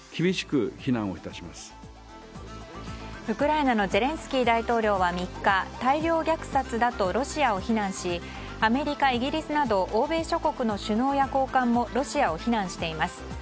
ウクライナのゼレンスキー大統領は３日大量虐殺だとロシアを非難しアメリカ、イギリスなど欧米諸国の首脳や高官もロシアを非難しています。